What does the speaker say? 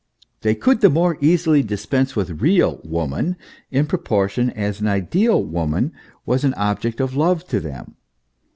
They could the more easily dispense with real woman, in proportion as an ideal woman was an object of love to them.